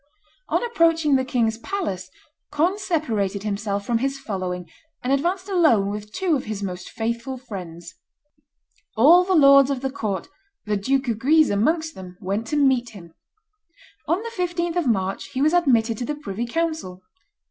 On approaching the king's palace Conde separated himself from his following, and advanced alone with two of his most faithful friends. All the lords of the court, the Duke of Guise amongst them, went to meet him. On the 15th of March he was admitted to the privy council.